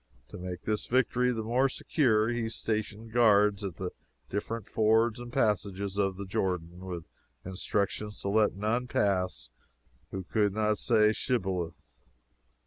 To make his victory the more secure, he stationed guards at the different fords and passages of the Jordan, with instructions to let none pass who could not say Shibboleth.